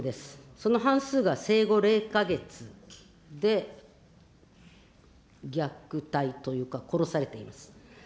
その半数が生後０か月で虐待というか、殺されています。